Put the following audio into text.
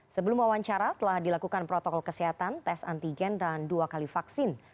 sebelum wawancara telah dilakukan protokol kesehatan tes antigen dan dua kali vaksin